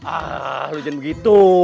ah lu jangan begitu